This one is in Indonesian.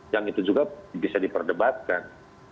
yang itu juga bisa diperdebatkan